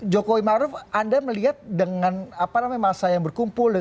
jokowi maruf anda melihat dengan masa yang berkumpul